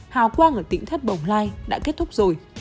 hào quang ở tỉnh thất bồng lai đã kết thúc rồi